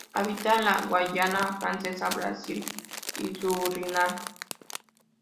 Habita en la Guayana Francesa, Brasil y Surinam.